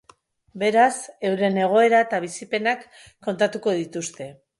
Beraz, euren egoera eta bizipenak kontatuko dituzte.